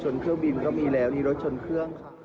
เนี่ยค่ะเดือชนเครื่องบินก็มีแล้ว